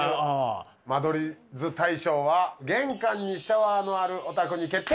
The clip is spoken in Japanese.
間取り図大賞は玄関にシャワーのあるお宅に決定！